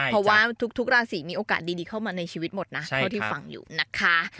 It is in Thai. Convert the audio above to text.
เพราะว่าทุกราศีมีโอกาสดีเข้ามาในชีวิตหมดนะเท่าที่ฟังอยู่นะคะ